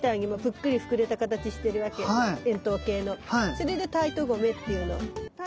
それでタイトゴメっていうの。